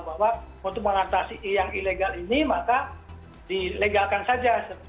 bahwa untuk mengatasi yang ilegal ini maka dilegalkan saja